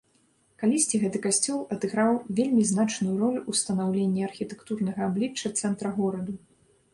Калісьці гэты касцёл адыграў вельмі значную ролю ў станаўленні архітэктурнага аблічча цэнтра гораду.